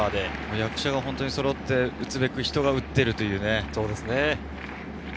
役者がそろって、打つべく人が打っているというね。